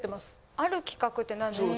ある企画って何ですか？